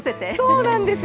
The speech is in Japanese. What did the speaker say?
そうなんですよ。